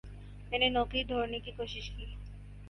میں نے نوکری ڈھوڑھنے کی کوشش کی۔